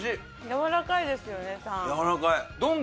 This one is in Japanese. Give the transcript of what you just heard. やわらかいですよねタン。